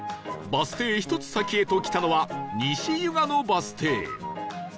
バス停１つ先へと来たのは西湯ヶ野バス停